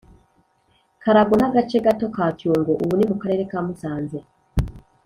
karago n’agace gato ka cyungo. ubu ni mu karere ka musanze.